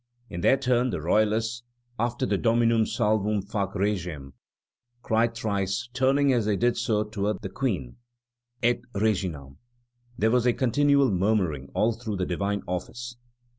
In their turn the royalists, after the Dominum salvum fac regem, cried thrice, turning as they did so toward the Queen: Et reginam. There was a continual murmuring all through the divine office.